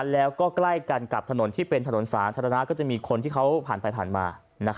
แล้วก็ใกล้กันกับถนนที่เป็นถนนสาธารณะก็จะมีคนที่เขาผ่านไปผ่านมา